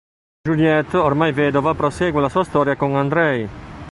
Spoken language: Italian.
Juliette, ormai vedova, prosegue la sua storia con Andrej.